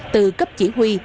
từ cấp chỉ huy